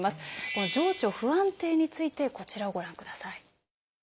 この情緒不安定についてこちらをご覧ください。